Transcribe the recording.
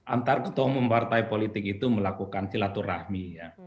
antar ketua umum partai politik itu melakukan silaturahmi ya